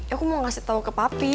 aku mau ngasih tau ke papi